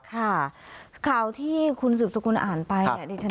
ค่ะข่าวที่คุณสุดสกุลอ่านไป